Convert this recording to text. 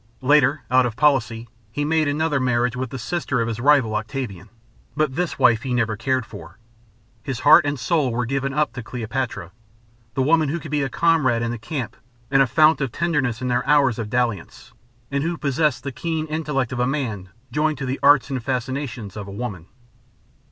Later, out of policy, he made another marriage with the sister of his rival, Octavian, but this wife he never cared for. His heart and soul were given up to Cleopatra, the woman who could be a comrade in the camp and a fount of tenderness in their hours of dalliance, and who possessed the keen intellect of a man joined to the arts and fascinations of a woman.